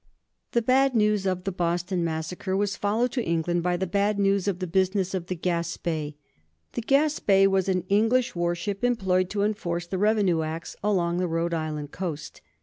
The bad news of the Boston Massacre was followed to England by the bad news of the business of the "Gaspee." The "Gaspee" was an English warship employed to enforce the Revenue Acts along the Rhode Island coast.